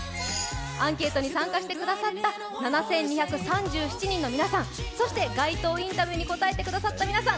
アンケートに参加してくださった７２３７人の皆さん、そして街頭インタビューに答えてくださった皆さん